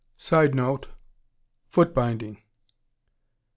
[Sidenote: Foot binding.